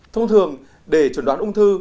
thông thường để chuẩn đoán ung thư